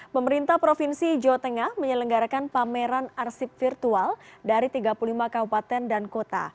pemerintah provinsi jawa tengah menyelenggarakan pameran arsip virtual dari tiga puluh lima kabupaten dan kota